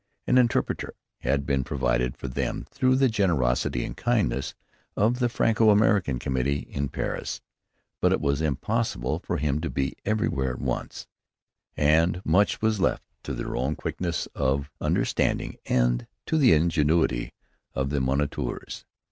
An interpreter had been provided for them through the generosity and kindness of the Franco American Committee in Paris; but it was impossible for him to be everywhere at once, and much was left to their own quickness of understanding and to the ingenuity of the moniteurs.